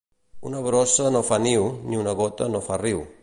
Una brossa no fa niu, ni una gota no fa riu.